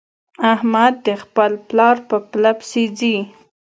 احمد د خپل پلار په پله پسې ځي.